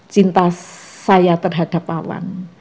cinta saya terhadap wawan